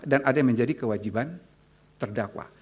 dan ada yang menjadi kewajiban terdakwa